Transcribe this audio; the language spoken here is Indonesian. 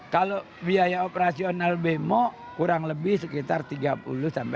kalau biaya operasional bemo kurang lebih sekitar tiga puluh empat puluh ribu rupiah